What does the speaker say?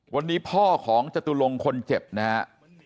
วันนี้พ่อของจตุลงคนเจ็บนะฮะ